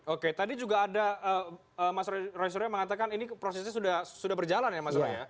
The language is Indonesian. oke tadi juga ada mas rai suraya mengatakan ini prosesnya sudah berjalan ya mas rai